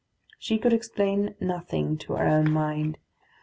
She could explain nothing to her own mind.